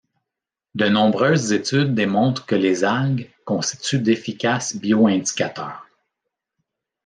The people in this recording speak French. De nombreuses études démontrent que les algues constituent d’efficaces bioindicateurs.